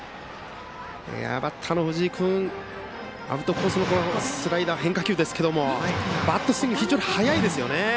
バッターの藤井君アウトコースのスライダー変化球ですけどバットスイング非常に速いですよね。